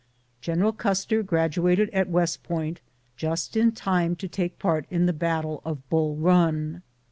General Custer graduated at West Point just in time to take part in the battle of Bull Run.